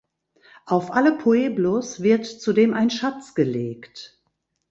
Auf alle Pueblos wird zudem ein Schatz gelegt.